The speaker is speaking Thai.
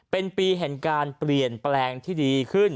เป็นปีแห่งการเปลี่ยนแปลงที่ดีขึ้น